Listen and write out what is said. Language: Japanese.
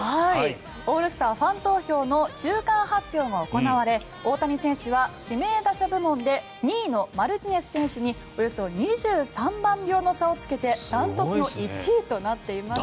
オールスターファン投票の中間発表が行われ大谷選手は指名打者部門で２位のマルティネス選手におよそ２３万票の差をつけて断トツの１位となっています。